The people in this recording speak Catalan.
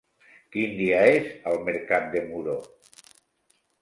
Quin dia és el mercat de Muro?